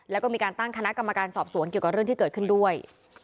แล้วก็มีการตั้งคณะกรรมการสอบสวนเกี่ยวกับเรื่องที่เกิดขึ้นด้วย